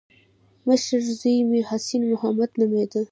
مشر زوی مې حسين محمد نومېده.